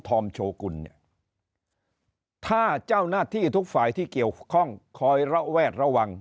ธรรมโชคุณถ้าเจ้าหน้าที่ทุกฝ่ายที่เกี่ยวข้องคอยแวดระวัง